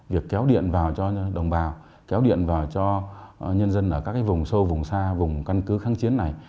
việc kéo điện vào cho đồng bào kéo điện vào cho nhân dân ở các vùng sâu vùng xa vùng căn cứ kháng chiến này